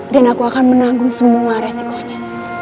dan aku akan menanggung semua resikonya